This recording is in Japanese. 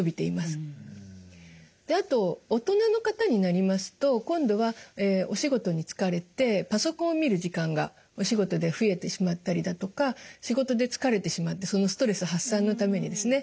であと大人の方になりますと今度はお仕事に就かれてパソコンを見る時間がお仕事で増えてしまったりだとか仕事で疲れてしまってそのストレス発散のためにですね